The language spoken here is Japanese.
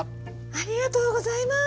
ありがとうございます！